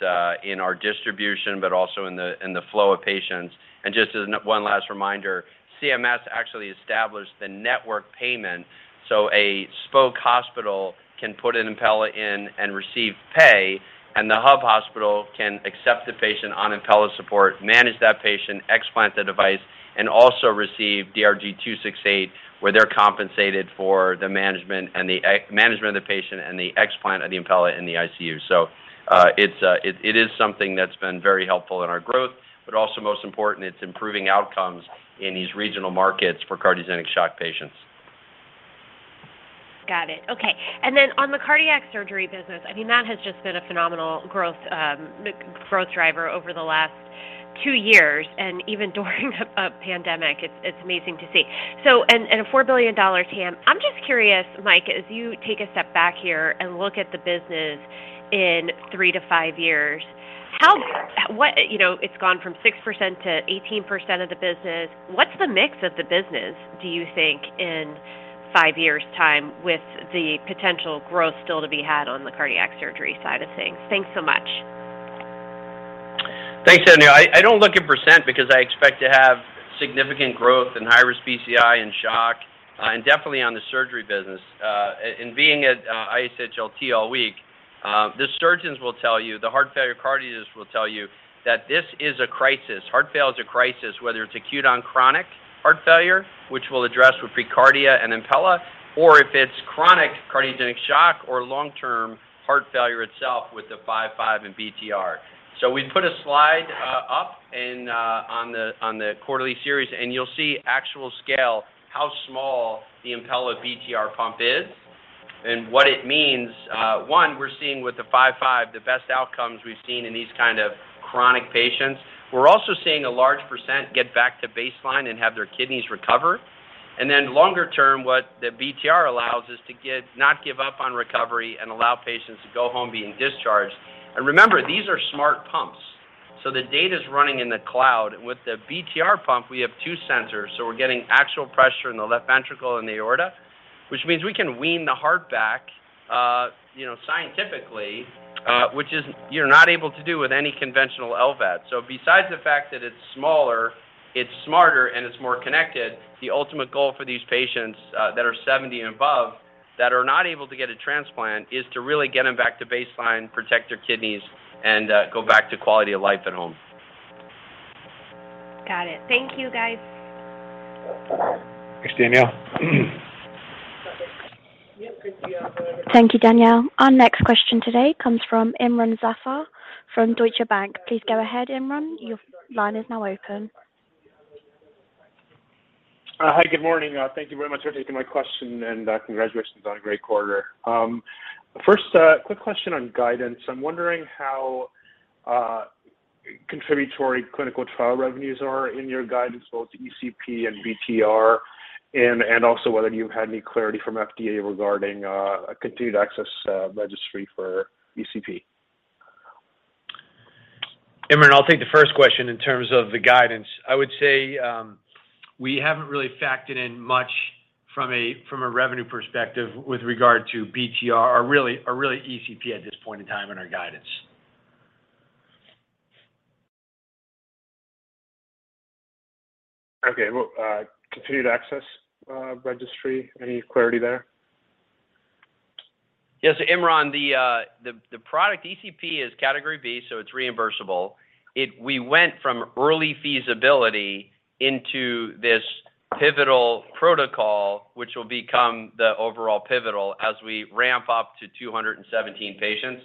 in our distribution, but also in the flow of patients. Just as one last reminder, CMS actually established the network payment so a spoke hospital can put an Impella in and receive pay, and the hub hospital can accept the patient on Impella support, manage that patient, explant the device, and also receive DRG 268, where they're compensated for the management of the patient and the explant of the Impella in the ICU. It is something that's been very helpful in our growth, but also most important, it's improving outcomes in these regional markets for cardiogenic shock patients. Got it. Okay. On the cardiac surgery business, I mean, that has just been a phenomenal growth driver over the last two years and even during a pandemic. It's amazing to see, and a $4 billion TAM. I'm just curious, Mike, as you take a step back here and look at the business in three to five years. You know, it's gone from 6%-8% of the business. What's the mix of the business, do you think, in five years' time with the potential growth still to be had on the cardiac surgery side of things? Thanks so much. Thanks, Danielle. I don't look at percent because I expect to have significant growth in high-risk PCI and shock, and definitely on the surgery business. Being at ISHLT all week, the surgeons will tell you, the heart failure cardiologists will tell you that this is a crisis. Heart failure is a crisis, whether it's acute on chronic heart failure, which we'll address with preCARDIA and Impella, or if it's chronic cardiogenic shock or long-term heart failure itself with the 5.5 and BTR. We put a slide up on the quarterly series, and you'll see actual scale how small the Impella BTR pump is and what it means. We're seeing with the 5.5 the best outcomes we've seen in these kind of chronic patients. We're also seeing a large percent get back to baseline and have their kidneys recover. Then longer term, what the BTR allows is to not give up on recovery and allow patients to go home being discharged. Remember, these are smart pumps, so the data is running in the cloud. With the BTR pump, we have two sensors, so we're getting actual pressure in the left ventricle and the aorta, which means we can wean the heart back, you know, scientifically, which is you're not able to do with any conventional LVAD. Besides the fact that it's smaller, it's smarter, and it's more connected, the ultimate goal for these patients that are 70 and above that are not able to get a transplant is to really get them back to baseline, protect their kidneys and go back to quality of life at home. Got it. Thank you, guys. Thanks, Danielle. Thank you, Danielle. Our next question today comes from Imron Zafar from Deutsche Bank. Please go ahead, Imron. Your line is now open. Hi. Good morning. Thank you very much for taking my question, and congratulations on a great quarter. First, a quick question on guidance. I'm wondering how contributory clinical trial revenues are in your guidance, both ECP and BTR and also whether you had any clarity from FDA regarding a continued access registry for ECP. Imron, I'll take the first question in terms of the guidance. I would say, we haven't really factored in much from a revenue perspective with regard to BTR or really ECP at this point in time in our guidance. Okay. Well, continued access registry, any clarity there? Yes. Imron, the product ECP is Category B, so it's reimbursable. We went from early feasibility into this pivotal protocol, which will become the overall pivotal as we ramp up to 217 patients.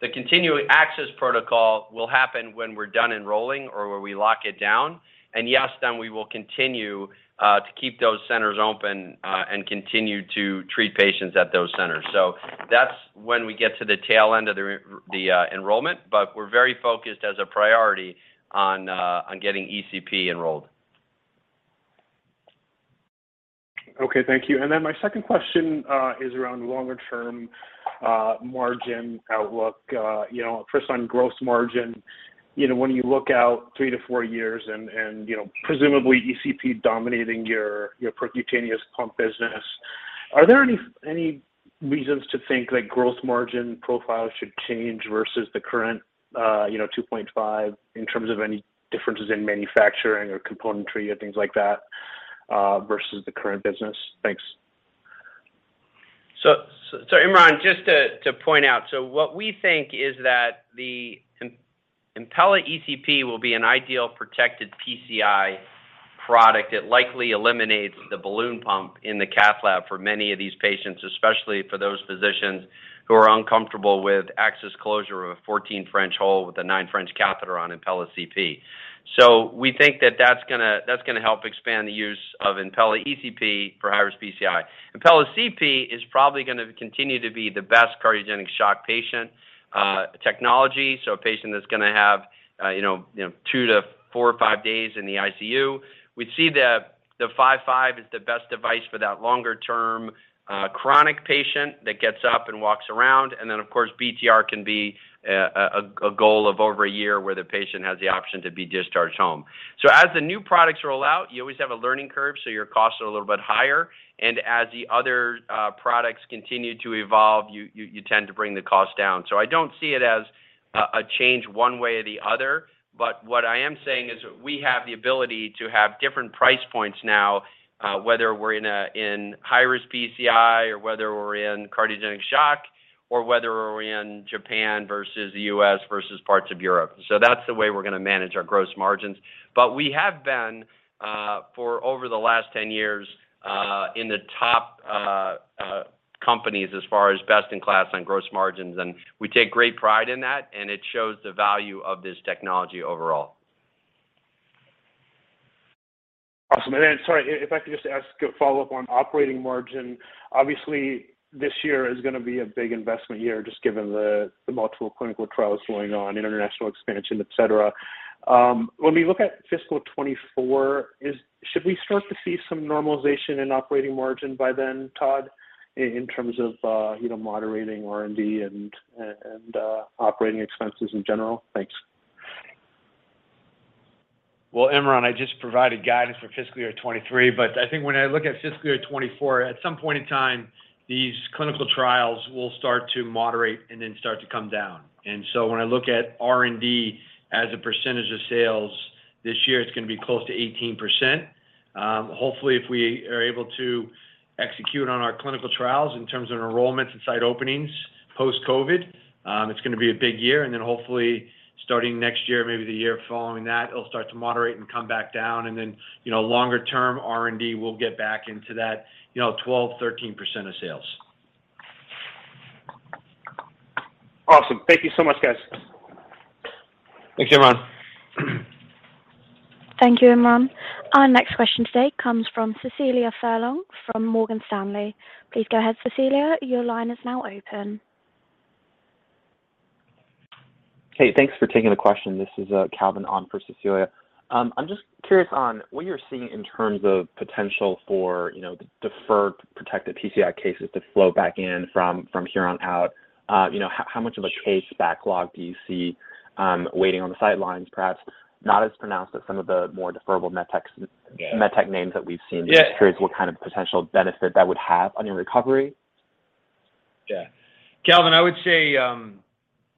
The continued access protocol will happen when we're done enrolling or when we lock it down. Yes, then we will continue to keep those centers open and continue to treat patients at those centers. That's when we get to the tail end of the enrollment. We're very focused as a priority on getting ECP enrolled. Okay. Thank you. Then my second question is around longer term margin outlook. You know, first on gross margin, you know, when you look out three to four years and, you know, presumably ECP dominating your percutaneous pump business, are there any reasons to think that gross margin profiles should change versus the current, you know, 2.5% in terms of any differences in manufacturing or componentry or things like that, versus the current business? Thanks. Imron, just to point out, what we think is that the Impella ECP will be an ideal protected PCI product. It likely eliminates the balloon pump in the cath lab for many of these patients, especially for those physicians who are uncomfortable with access closure of a 14 French hole with a 9 French catheter on Impella CP. We think that that's gonna help expand the use of Impella ECP for high-risk PCI. Impella CP is probably gonna continue to be the best cardiogenic shock patient technology. A patient that's gonna have you know 2 to 4 or 5 days in the ICU. We see the The 5.5 is the best device for that longer-term chronic patient that gets up and walks around. Then, of course, BTR can be a goal of over a year where the patient has the option to be discharged home. As the new products roll out, you always have a learning curve, so your costs are a little bit higher. As the other products continue to evolve, you tend to bring the cost down. I don't see it as a change one way or the other, but what I am saying is we have the ability to have different price points now, whether we're in high-risk PCI or whether we're in cardiogenic shock or whether we're in Japan versus the U.S. versus parts of Europe. That's the way we're gonna manage our gross margins. We have been, for over the last 10 years, in the top companies as far as best in class on gross margins. We take great pride in that, and it shows the value of this technology overall. Awesome. Sorry, if I could just ask a follow-up on operating margin. Obviously, this year is gonna be a big investment year just given the multiple clinical trials going on, international expansion, et cetera. When we look at fiscal 2024, should we start to see some normalization in operating margin by then, Todd, in terms of you know, moderating R&D and operating expenses in general? Thanks. Well, Imron, I just provided guidance for fiscal year 2023, but I think when I look at fiscal year 2024, at some point in time, these clinical trials will start to moderate and then start to come down. When I look at R&D as a percentage of sales, this year it's gonna be close to 18%. Hopefully if we are able to execute on our clinical trials in terms of enrollments and site openings post-COVID, it's gonna be a big year. Hopefully starting next year, maybe the year following that, it'll start to moderate and come back down, and then, you know, longer term R&D will get back into that, you know, 12%-13% of sales. Awesome. Thank you so much, guys. Thanks, Imran. Thank you, Imron. Our next question today comes from Cecilia Furlong from Morgan Stanley. Please go ahead, Cecilia. Your line is now open. Hey, thanks for taking the question. This is Calvin on for Cecilia. I'm just curious on what you're seeing in terms of potential for, you know, the deferred protected PCI cases to flow back in from here on out. You know, how much of a case backlog do you see waiting on the sidelines, perhaps not as pronounced as some of the more deferrable med tech names that we've seen? Yeah. Just curious what kind of potential benefit that would have on your recovery. Yeah. Calvin, I would say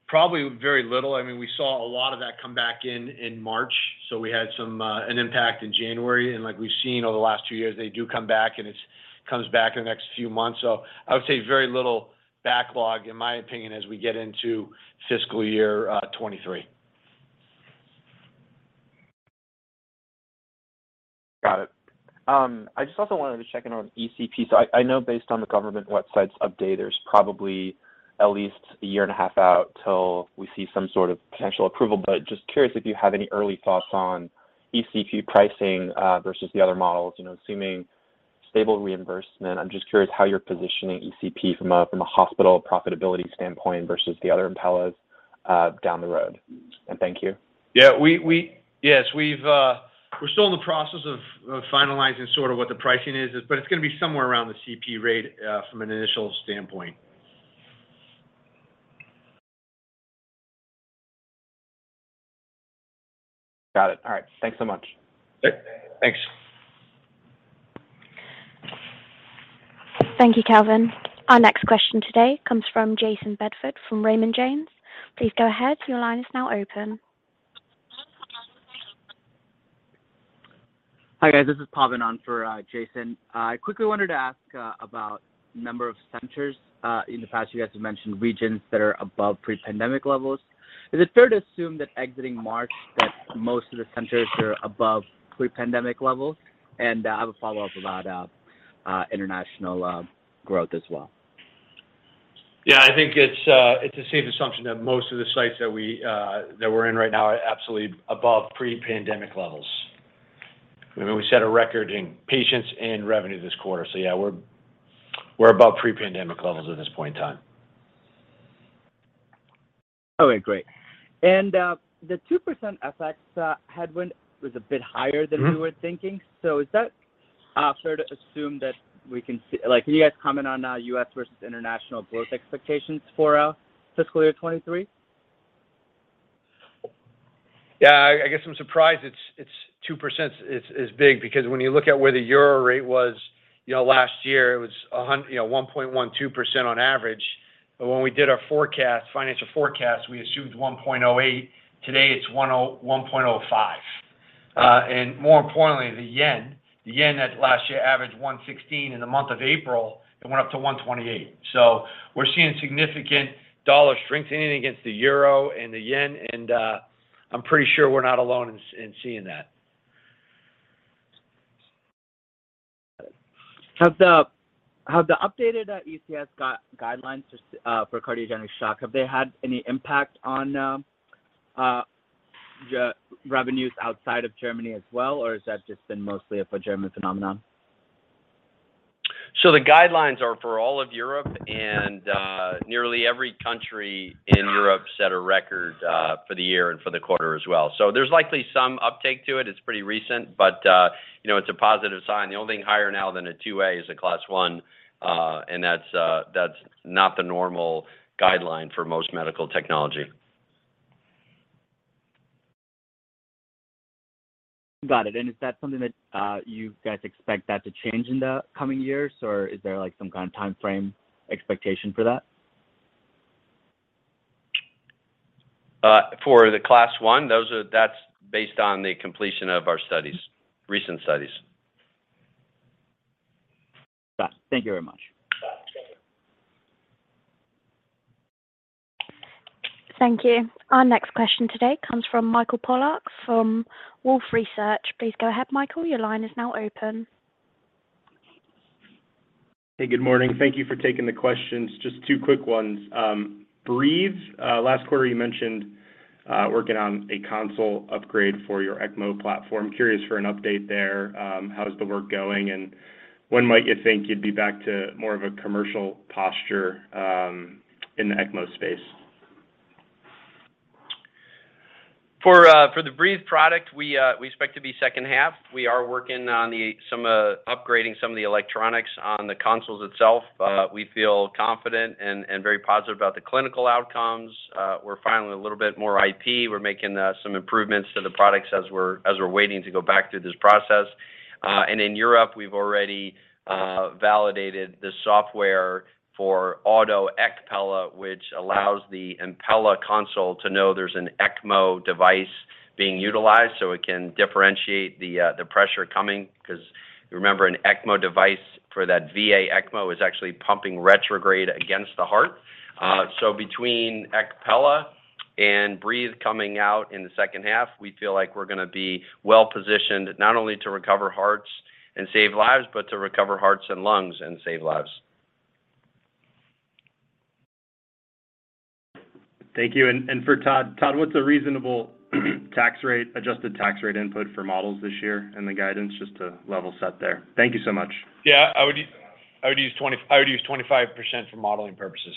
probably very little. I mean, we saw a lot of that come back in March, so we had some impact in January. Like we've seen over the last two years, they do come back, and comes back in the next few months. I would say very little backlog, in my opinion, as we get into fiscal year 2023. Got it. I just also wanted to check in on ECP. I know based on the government websites update, there's probably at least a year and a half out till we see some sort of potential approval. Just curious if you have any early thoughts on ECP pricing versus the other models. You know, assuming stable reimbursement, I'm just curious how you're positioning ECP from a hospital profitability standpoint versus the other Impellas down the road. Thank you. Yes, we've, we're still in the process of finalizing sort of what the pricing is, but it's gonna be somewhere around the CP rate, from an initial standpoint. Got it. All right. Thanks so much. Yep. Thanks. Thank you, Calvin. Our next question today comes from Jayson Bedford from Raymond James. Please go ahead. Your line is now open. Hi, guys. This is Pavan on for Jayson. I quickly wanted to ask about number of centers. In the past, you guys have mentioned regions that are above pre-pandemic levels. Is it fair to assume that exiting March that most of the centers are above pre-pandemic levels? I have a follow-up about international growth as well. Yeah, I think it's a safe assumption that most of the sites that we're in right now are absolutely above pre-pandemic levels. I mean, we set a record in patients and revenue this quarter, so yeah, we're above pre-pandemic levels at this point in time. Okay, great. The 2% FX headwind was a bit higher than we were thinking. Is that fair to assume? Like, can you guys comment on U.S. versus international growth expectations for fiscal year 2023? I guess I'm surprised it's 2% is big because when you look at where the euro rate was, you know, last year, it was 1.12% on average. When we did our forecast, financial forecast, we assumed 1.08%. Today, it's 1.05%. And more importantly, the yen. The yen last year averaged 116. In the month of April, it went up to 128. We're seeing significant dollar strengthening against the euro and the yen, and I'm pretty sure we're not alone in seeing that. Got it. Have the updated ESC guidelines for cardiogenic shock had any impact on revenues outside of Germany as well, or has that just been mostly a German phenomenon? The guidelines are for all of Europe, and nearly every country in Europe set a record for the year and for the quarter as well. There's likely some uptake to it. It's pretty recent, but you know, it's a positive sign. The only thing higher now than a class IIa is a class I, and that's not the normal guideline for most medical technology. Got it. Is that something that, you guys expect that to change in the coming years, or is there, like, some kind of time frame expectation for that? For the class I, those are. That's based on the completion of our studies, recent studies. Got it. Thank you very much. Thank you. Our next question today comes from Michael Polark from Wolfe Research. Please go ahead, Michael. Your line is now open. Hey, good morning. Thank you for taking the questions. Just two quick ones. Breethe, last quarter you mentioned working on a console upgrade for your ECMO platform. Curious for an update there. How is the work going, and when might you think you'd be back to more of a commercial posture in the ECMO space? For the Breethe product, we expect to be second half. We are working on upgrading some of the electronics on the console itself. We feel confident and very positive about the clinical outcomes. We're filing a little bit more IP. We're making some improvements to the products as we're waiting to go back through this process. In Europe, we've already validated the software for auto ECpella, which allows the Impella console to know there's an ECMO device being utilized, so it can differentiate the pressure coming. Because remember, an ECMO device for that VA-ECMO is actually pumping retrograde against the heart. Between ECpella and Breethe coming out in the second half, we feel like we're gonna be well-positioned, not only to recover hearts and save lives, but to recover hearts and lungs and save lives. Thank you. For Todd, what's a reasonable tax rate, adjusted tax rate input for models this year and the guidance just to level set there? Thank you so much. Yeah. I would use 25% for modeling purposes.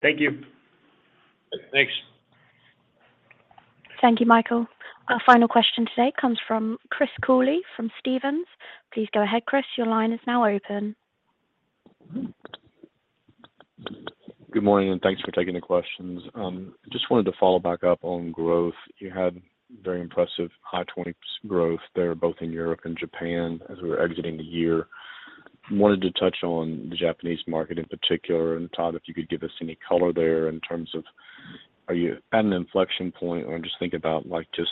Thank you. Thanks. Thank you, Michael. Our final question today comes from Chris Cooley from Stephens. Please go ahead, Chris. Your line is now open. Good morning, and thanks for taking the questions. Just wanted to follow back up on growth. You had very impressive high 20s growth there, both in Europe and Japan as we were exiting the year. Wanted to touch on the Japanese market in particular. Todd, if you could give us any color there in terms of are you at an inflection point? Or I'm just thinking about, like, just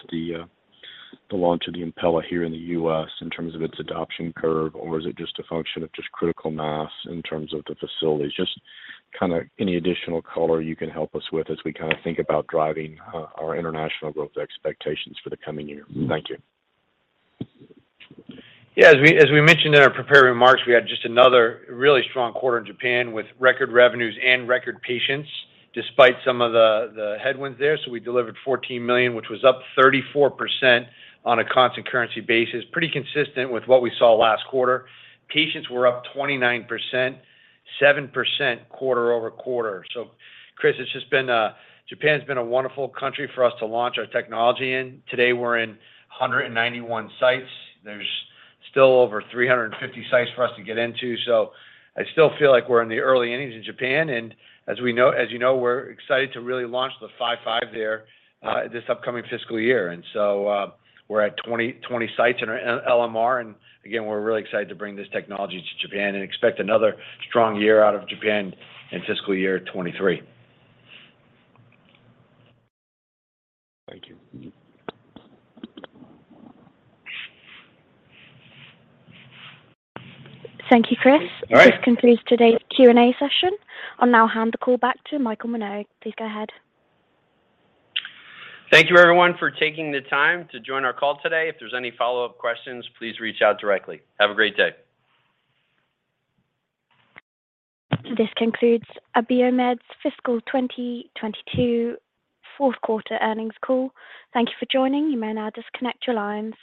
the launch of the Impella here in the U.S. in terms of its adoption curve, or is it just a function of just critical mass in terms of the facilities? Just kinda any additional color you can help us with as we kind of think about driving our international growth expectations for the coming year. Thank you. Yeah. As we mentioned in our prepared remarks, we had just another really strong quarter in Japan with record revenues and record patients, despite some of the headwinds there. We delivered $14 million, which was up 34% on a constant currency basis. Pretty consistent with what we saw last quarter. Patients were up 29%, 7% quarter-over-quarter. Chris, it's just been a. Japan's been a wonderful country for us to launch our technology in. Today, we're in 191 sites. There's still over 350 sites for us to get into, so I still feel like we're in the early innings in Japan. As you know, we're excited to really launch the 5.5 there, this upcoming fiscal year. We're at 2020 sites in our LMR, and again, we're really excited to bring this technology to Japan and expect another strong year out of Japan in fiscal year 2023. Thank you. Thank you, Chris. All right. This concludes today's Q&A session. I'll now hand the call back to Michael Minogue. Please go ahead. Thank you everyone for taking the time to join our call today. If there's any follow-up questions, please reach out directly. Have a great day. This concludes Abiomed's fiscal 2022 fourth quarter earnings call. Thank you for joining. You may now disconnect your lines.